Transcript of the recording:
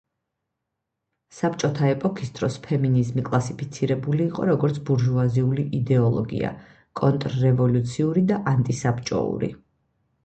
საბჭოთა ეპოქის დროს ფემინიზმი კლასიფიცირებული იყო, როგორც ბურჟუაზიული იდეოლოგია, კონტრრევოლუციური და ანტისაბჭოური.